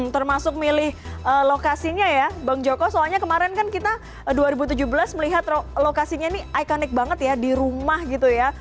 termasuk milih lokasinya ya bang joko soalnya kemarin kan kita dua ribu tujuh belas melihat lokasinya ini ikonik banget ya di rumah gitu ya